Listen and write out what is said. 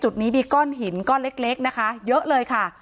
จุดนี้มีก้อนหินก้อนเล็กนะคะเยอะเลยค่ะ